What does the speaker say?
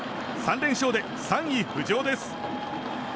３連勝で３位浮上です。